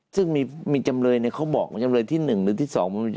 ซึ่งมีจำเลยเขาบอกว่าจำเลยที่๑หรือที่๒